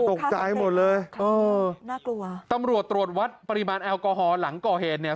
โอ้โหตกใจหมดเลยน่ากลัวตำรวจวัดปริมาณแอลกอฮอล์หลังก่อเหตุเนี่ย